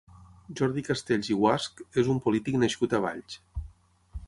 Jordi Castells i Guasch és un polític nascut a Valls.